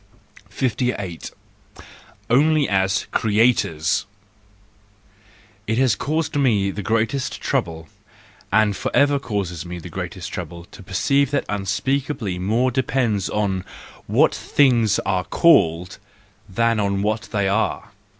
S 8. Only as Creators !—It has caused me the greatest trouble, and for ever causes me the greatest trouble, to perceive that unspeakably more depends upon what things are called , than on what they are.